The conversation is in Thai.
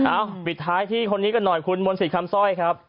ปิดท้ายที่คนนี้กันหน่อยคุณมนต์สิทธิ์คำสร้อยครับ